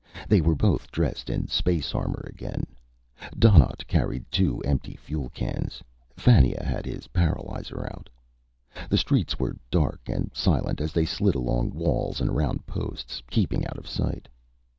They were both dressed in space armor again. Donnaught carried two empty fuel cans. Fannia had his paralyzer out. The streets were dark and silent as they slid along walls and around posts, keeping out of sight.